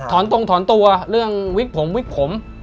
ตรงถอนตัวเรื่องวิกผมวิกผม